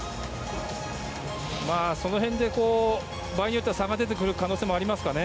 その辺で場合によっては差が出てくる可能性もありますかね。